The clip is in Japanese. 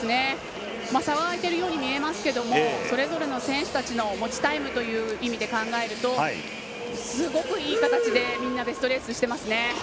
差は開いているように見えますがそれぞれの選手たちの持ちタイムという意味で考えるとすごくいい形でみんなベストレースしてますね。